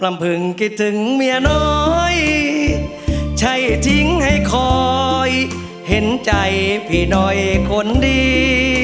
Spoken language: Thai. พึงคิดถึงเมียน้อยใช่ทิ้งให้คอยเห็นใจพี่หน่อยคนดี